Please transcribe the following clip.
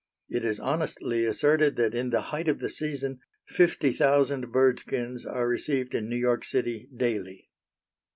It is honestly asserted that, in the height of the season, fifty thousand bird skins are received in New York City daily.